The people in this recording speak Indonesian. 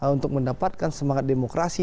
untuk mendapatkan semangat demokrasi